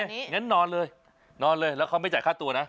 งั้นนอนเลยนอนเลยแล้วเขาไม่จ่ายค่าตัวนะ